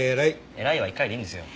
偉いは１回でいいんですよ。